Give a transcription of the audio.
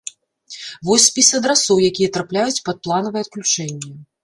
Вось спіс адрасоў, якія трапляюць пад планавае адключэнне.